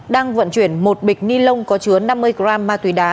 đang vận chuyển một bịch ni lông có chứa năm mươi gram ma túy đá